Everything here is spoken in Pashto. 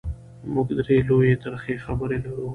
موږ درې لویې ترخې خبرې لرو: